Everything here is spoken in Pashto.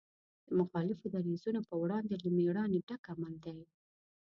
د مخالفو دریځونو په وړاندې له مېړانې ډک عمل دی.